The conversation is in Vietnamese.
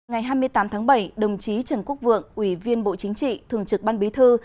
ngày hai mươi tám tháng bảy đồng chí trần quốc vượng ủy viên bộ chính trị thường trực ban bí thư